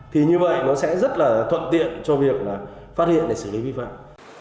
thì như vậy nó sẽ rất là thuận tiện cho việc là phát hiện để xử lý vi phạm